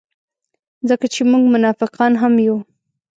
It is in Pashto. ځکه چې موږ منافقان هم یو.